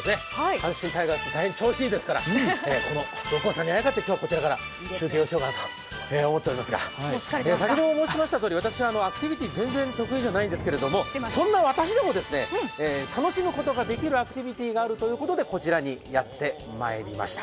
阪神タイガース、大変調子いいですから六甲山にあやかって今日はこちらから中継をしようかなと思っていますが、先ほども申しましたとおり私、アクティビティー、全然得意じゃないんですけども、そんな私でも楽しむことができるアクティビティーがあるということでこちらにやってまいりました。